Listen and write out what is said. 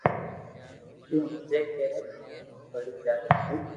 تو ھمجي ڪي منين پڙي جائي تو